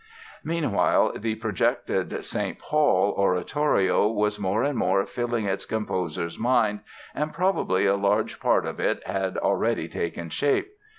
Meanwhile, the projected "St. Paul" oratorio was more and more filling its composer's mind and probably a large part of it had already taken shape.